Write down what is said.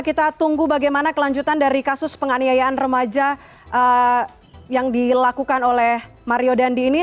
kita tunggu bagaimana kelanjutan dari kasus penganiayaan remaja yang dilakukan oleh mario dandi ini